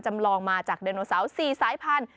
จำลองมาจากดันโนสาว๔สายพันธุ์